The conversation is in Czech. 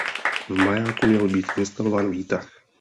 V majáku měl být instalován výtah.